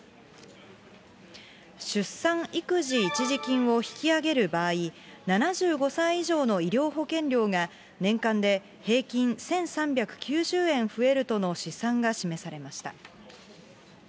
出産育児一時金を引き上げる場合、７５歳以上の医療保険料が、年間で平均１３９０円増えるとの試算が示されました。